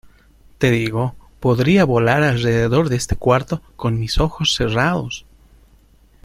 ¡ Te digo, podría volar alrededor de este cuarto con mis ojos cerrados!